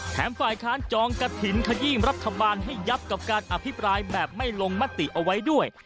ฝ่ายค้านจองกระถิ่นขยี้รัฐบาลให้ยับกับการอภิปรายแบบไม่ลงมติเอาไว้ด้วย